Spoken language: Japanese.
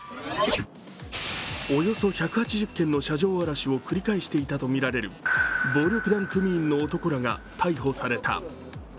およそ１８０件の車上荒らしを繰り返していたとみられる暴力団組員の男らが逮捕された。